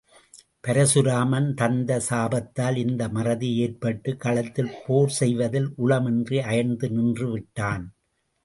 பரசுராமன் தந்த சாபத்தால் இந்த மறதி ஏற்பட்டுக் களத்தில் போர் செய்வதில் உளம் இன்றி அயர்ந்து நின்று விட்டான்.